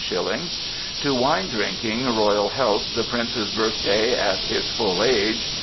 /9/ "To Wine drinking Royal healths the Prince's birthday at his full age